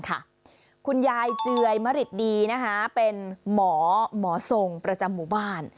คุณยายเจือยมริตดีเป็นหมอหมอทรงประจำหมู่บ้าน